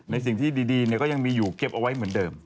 ในสิ่งที่ดีก็ยังมีอยู่เก็บเอาไว้เหมือนเดิม